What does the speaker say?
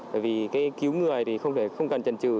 bởi vì cái cứu người thì không cần trần trừ